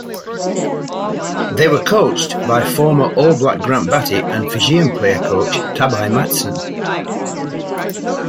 They were coached by former All Black Grant Batty and Fijian player-coach Tabai Matson.